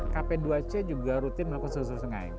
kp dua c juga rutin melakukan seluruh seluruh sungai